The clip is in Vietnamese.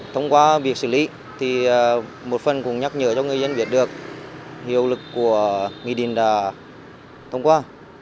thông qua việc xử lý thì một phần cũng nhắc nhở cho người dân biết được hiệu lực của nghị định đã thông qua